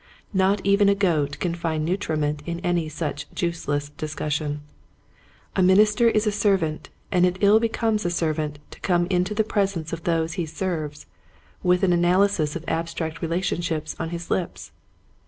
Not even a goat can find nutriment in any such juiceless discussion. A minister is a servant and it ill becomes a servant to come into the presence of those he serves with an analysis of abstract relationships on his lips.